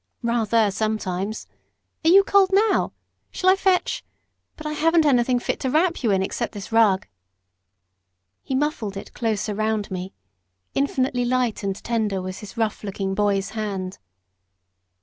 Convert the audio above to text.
"Rather, sometimes. Are you cold now? Shall I fetch but I haven't anything fit to wrap you in, except this rug." He muffled it closer round me; infinitely light and tender was his rough looking boy's hand.